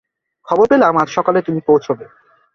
খবর পেলাম, আজ সকালে তুমি পৌছবে।